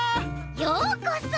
ようこそ！